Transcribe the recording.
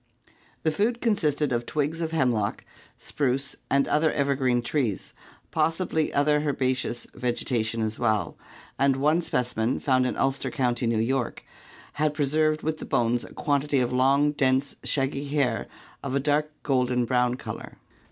The food consisted of twigs of hemlock, spruce and other evergreen trees, possibly other herbaceous vegetation as well, and one specimen found in Ulster County, New York, had pre served with the bones a quantity of long, dense, shaggy hair of a dark golden brown color.